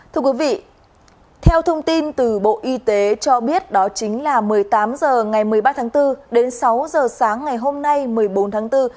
thưa quý vị theo thông tin từ bộ y tế cho biết đó chính là một mươi tám h ngày một mươi ba tháng bốn đến sáu h sáng ngày hôm nay một mươi bốn tháng bốn